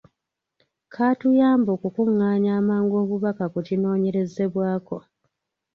Kaatuyamba okukungaanya amangu obubaka ku kinoonyerezebwako.